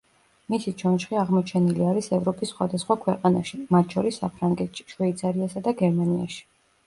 მისი ჩონჩხი აღმოჩენლი არის ევროპის სხვადასხვა ქვეყანაში, მათ შორის საფრანგეთში, შვეიცარიასა და გერმანიაში.